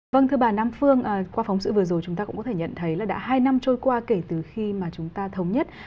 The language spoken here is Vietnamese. vâng thưa bà nam phương qua phóng sự vừa rồi chúng ta cũng có thể nhận thấy là đã hai năm trôi qua kể từ khi mà chúng ta thống nhất